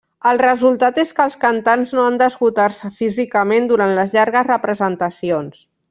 El resultat és que els cantants no han d'esgotar-se físicament durant les llargues representacions.